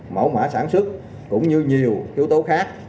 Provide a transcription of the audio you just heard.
mẫu mã sản xuất cũng như nhiều yếu tố khác